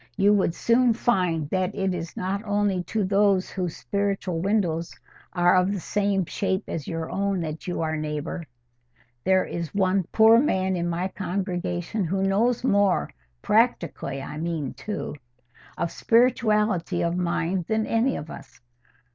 You would soon find that it is not only to those whose spiritual windows are of the same shape as your own that you are neighbour: there is one poor man in my congregation who knows more—practically, I mean, too—of spirituality of mind than any of us.